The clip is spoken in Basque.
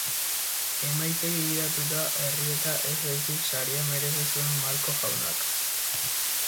Emaitzei begiratuta, errieta ez baizik saria merezi zuen Marco jaunak.